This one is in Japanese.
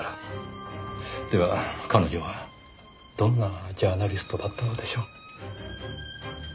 では彼女はどんなジャーナリストだったのでしょう？